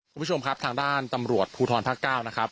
คุณผู้ชมครับทางด้านตำรวจภูทรภาค๙นะครับ